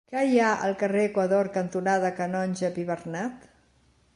Què hi ha al carrer Equador cantonada Canonge Pibernat?